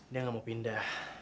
dia gak mau pindah